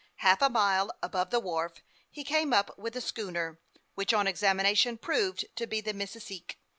Half a mile above the wharf, he came up with a schooner, wh'.cli on examination proved to be the Missisque.